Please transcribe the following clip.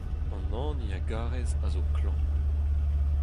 An hini a garez a zo klañv.